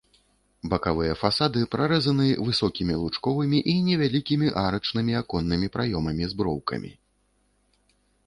Бакавыя фасады прарэзаны высокімі лучковымі і невялікімі арачнымі аконнымі праёмамі з броўкамі.